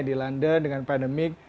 di london dengan pandemik